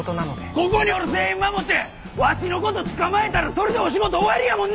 ここにおる全員守ってわしの事捕まえたらそれでお仕事終わりやもんな！